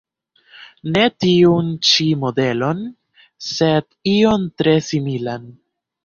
Ne tiun ĉi modelon, sed ion tre similan.